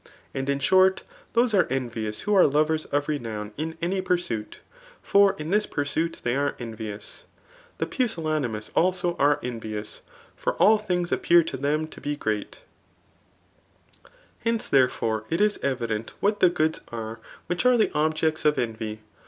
And in short, those are envious who are lovers of xaof^ in CHAP. KII. RHBTORIC. 141 any pursuit ; for in this pursuit they are envious* The pusillanimous also are envious ; for all things appear to tbemto he great* Henc^ therefore, it is evident what the goods are which are the objects of envy.